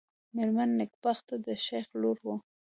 مېرمن نېکبخته د شېخ لور وه.